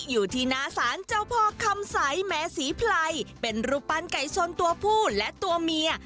อยู่ที่หน้าศาลเจ้าพ่อคำใสแม้ศรีไพรเป็นรูปปั้นไก่ชนตัวผู้และตัวเมีย